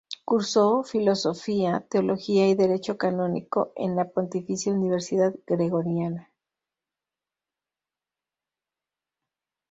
Cursó Filosofía, Teología y Derecho canónico en la Pontificia Universidad Gregoriana.